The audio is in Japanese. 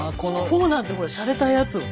フォーなんてほらしゃれたやつを。